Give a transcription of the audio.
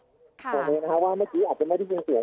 เห็นไหมคะว่าเมื่อกี้อาจจะไม่ได้ยินเสียง